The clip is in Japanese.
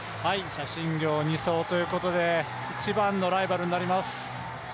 謝震業２走ということで一番のライバルになります。